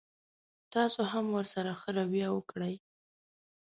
تاسو هم ورسره ښه رويه وکړئ.